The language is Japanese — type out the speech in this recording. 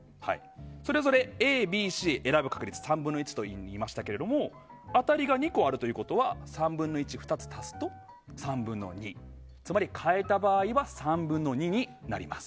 それぞれＡ、Ｂ、Ｃ選ぶ確率３分の１といいましたが当たりが２個あるということは３分の１を２つ足すと３分の２。つまり変えた場合は３分の２になります。